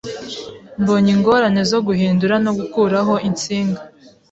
Mbonye ingorane zo guhindura no gukuraho insinga